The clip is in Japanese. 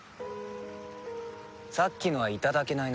さっきのはいただけないな。